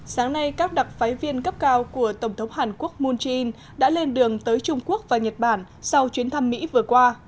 sáng nay các đặc phái viên cấp cao của tổng thống hàn quốc moon jae in đã lên đường tới trung quốc và nhật bản sau chuyến thăm mỹ vừa qua